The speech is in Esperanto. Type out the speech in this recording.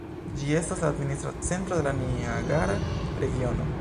Ĝi estas la administra centro de la Niagara regiono.